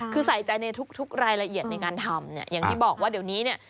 คือใส่ใจในทุกรายละเอียดในการทำเนี่ยอย่างที่บอกว่าเดี๋ยวนี้เนี่ย